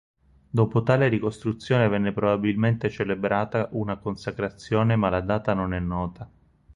Dopo tale ricostruzione venne probabilmente celebrata una consacrazione ma la data non è nota.